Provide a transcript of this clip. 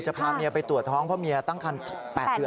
พาเมียไปตรวจท้องเพราะเมียตั้งคัน๘เดือน